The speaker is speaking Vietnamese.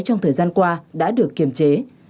trong thời gian qua đã được kiểm chế